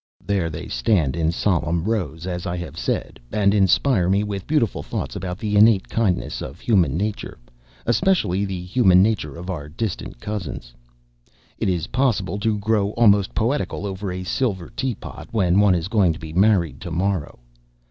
There they stand in solemn rows, as I have said, and inspire me with beautiful thoughts about the innate kindness of human nature, especially the human nature of our distant cousins. It is possible to grow almost poetical over a silver teapot when one is going to be married to morrow.